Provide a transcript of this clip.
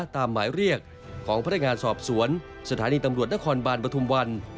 ตามหมายเรียกของพนักงานสอบสวนสถานีตำรวจนครบานปฐุมวัน